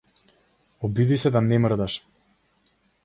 Обиди се да не мрдаш.